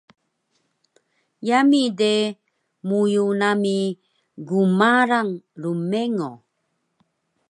Yami de muyu nami gmarang rmengo